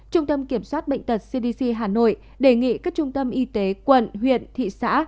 trung tâm kiểm soát bệnh tật cdc hà nội đề nghị các trung tâm y tế quận huyện thị xã